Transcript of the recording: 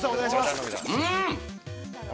◆うん！